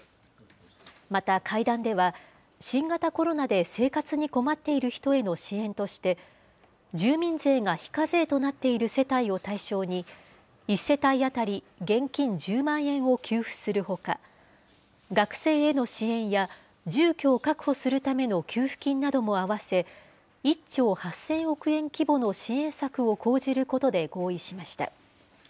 また、会談では、新型コロナで生活に困っている人への支援として、住民税が非課税となっている世帯を対象に、１世帯当たり現金１０万円を給付するほか、学生への支援や、住居を確保するための給付金なども合わせ、１兆８０００億円規模の支援策を講じることで合意しました。